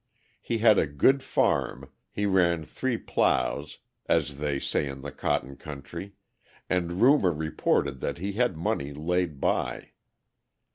He had a good farm, he ran three ploughs, as they say in the cotton country, and rumour reported that he had money laid by.